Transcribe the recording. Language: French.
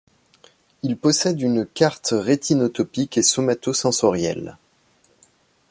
Il possède une carte rétinotopique et somatosensorielles.